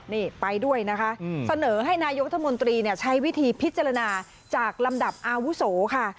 นี่ไปด้วยนะคะเสนอให้นายกรัฐมนตรีใช้วิธีพิจารณาจากลำดับอาวุโสค่ะ